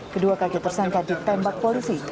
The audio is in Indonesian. kedua kaki tersangka ditembak polisi